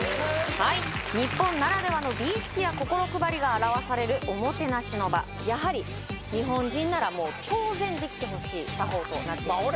はい日本ならではの美意識や心配りが表されるおもてなしの場やはり日本人ならもう当然できてほしい作法となっていますね